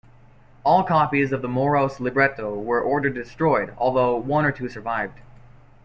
All copies of the morose libretto were ordered destroyed, although one or two survived.